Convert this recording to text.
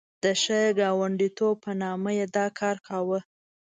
د ښه ګاونډیتوب په نامه یې دا کار کاوه.